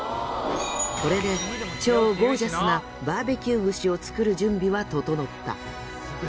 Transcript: これで超ゴージャスなバーベキュー串を作る準備は整った。